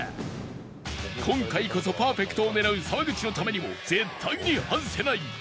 今回こそパーフェクトを狙う沢口のためにも絶対に外せない！